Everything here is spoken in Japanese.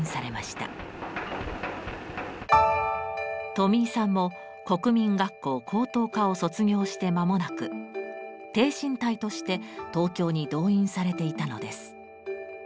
とみいさんも国民学校高等科を卒業して間もなく挺身隊として東京に動員されていたのです。